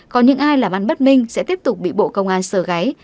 có những ai làm ăn bất minh sẽ tiếp tục bị bộ công an sờ gáy